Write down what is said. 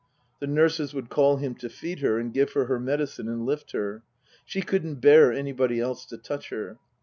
The nurses would call him to feed her and give her her medicine and lift her. She couldn't bear anybody else to touch her.